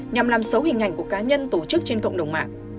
nhằm làm xấu hình ảnh của cá nhân tổ chức trên cộng đồng mạng